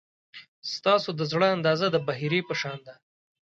ستاسو د زړه اندازه د بحیرې په شان ده.